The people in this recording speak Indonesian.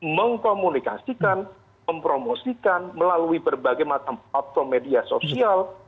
mengkomunikasikan mempromosikan melalui berbagai macam platform media sosial